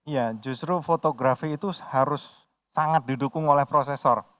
ya justru fotografi itu harus sangat didukung oleh prosesor